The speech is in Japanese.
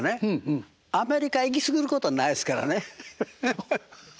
アメリカ行き過ぎることないですからね。